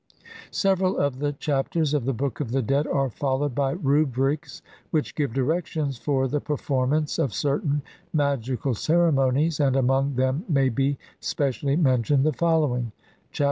Several of the Chapters of the Book of the Dead are followed by Rubrics which give directions for the performance of certain magical ceremonies, and among them may be specially mentioned the following :— Chap.